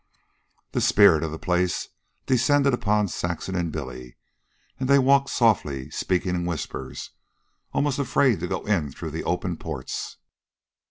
The spirit of the place descended upon Saxon and Billy, and they walked softly, speaking in whispers, almost afraid to go in through the open ports.